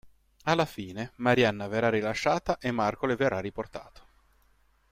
Alla fine, Marianna verrà rilasciata e Marco le verrà riportato.